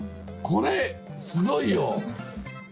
これすごいよ。